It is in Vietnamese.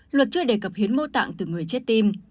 luật chưa đề cập hiến mô tạng từ người chết tim